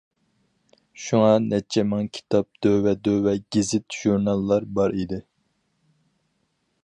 شۇڭا نەچچە مىڭ كىتاب، دۆۋە-دۆۋە گېزىت-ژۇرناللار بار ئىدى.